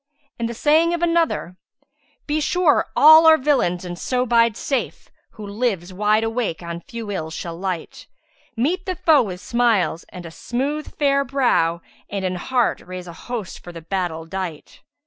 And the saying of another, 'Be sure all are villains and so bide safe; * Who lives wide awake on few Ills shall light: Meet thy foe with smiles and a smooth fair brow, * And in heart raise a host for the battle dight!'